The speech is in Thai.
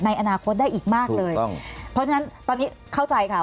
ในอนาคตได้อีกมากเลยเพราะฉะนั้นตอนนี้เข้าใจค่ะ